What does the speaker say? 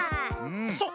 そう。